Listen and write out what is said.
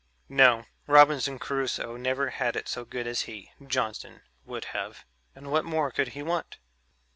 No, Robinson Crusoe never had it so good as he, Johnson, would have, and what more could he want?